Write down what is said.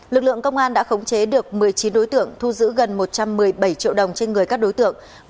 lực lượng công an đã khống chế được một mươi chín đối tượng thu giữ gần một trăm một mươi bảy triệu đồng trên người các đối tượng